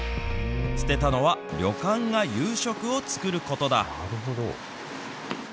捨てたのは旅館が夕食を作ることだ。